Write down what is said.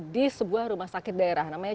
di sebuah rumah sakit daerah namanya